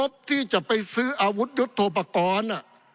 ปี๑เกณฑ์ทหารแสน๒